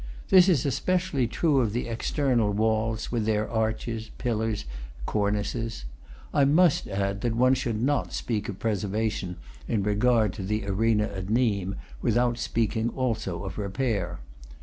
This is especially true of the external walls, with their arches, pillars, cornices. I must add that one should not speak of preservation, in regard to the arena at Nimes, without speaking also of repair.